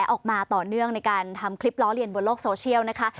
ออกมาต่อเนื่องในการทำคลิปล้อเลียนบนโลกโซเชียลนะคะ